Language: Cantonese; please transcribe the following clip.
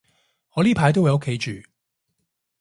我呢排都會喺屋企住